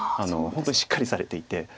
本当にしっかりされていて。